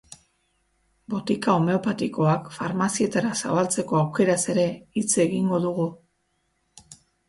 Botika homeopatikoak farmazietara zabaltzeko aukeraz ere hitz egingo dugu.